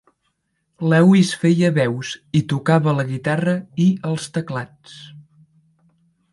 Lewis feia veus i tocava la guitarra i els teclats.